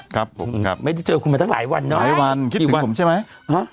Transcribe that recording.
ครับผมครับไม่ได้เจอคุณมาตั้งหลายวันเนอะหลายวันคิดถึงวันผมใช่ไหมฮะ